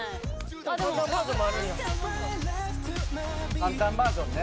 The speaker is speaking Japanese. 「簡単バージョンね」